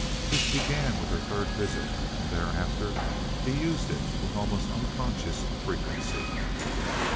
This began with her third visit, and thereafter he used it with almost unconscious frequency.